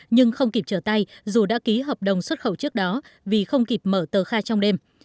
nhưng không kịp trở tay dù đã ký hợp đồng xuất khẩu trước đó vì không kịp mở tờ khai trong đêm